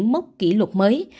mất kỷ lục mới